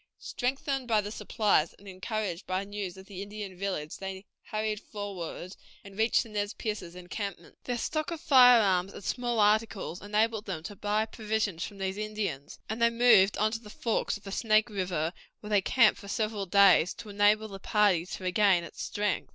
Strengthened by the supplies, and encouraged by news of the Indian village, they hastened forward, and reached the Nez Percés' encampment. Their stock of firearms and small articles enabled them to buy provisions from these Indians; and they moved on to the forks of the Snake River, where they camped for several days, to enable the party to regain its strength.